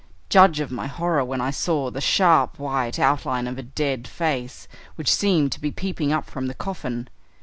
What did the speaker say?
Judge of my horror when I saw the sharp white outline of a dead face, which seemed to be peeping up from the coffin.